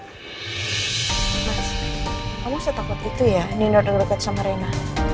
mas kamu usah takut gitu ya nino udah deket sama reina